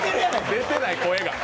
出てない、声が。